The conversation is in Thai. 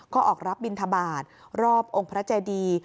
ก็ออกรับบินทบาทรอบองค์พระเจดี